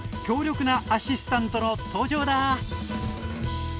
強力なアシスタントの登場だ！